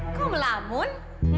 hah kok melamun